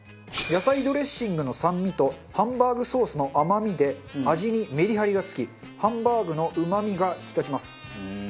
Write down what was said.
野菜ドレッシングの酸味とハンバーグソースの甘みで味にメリハリがつきハンバーグのうまみが引き立ちます。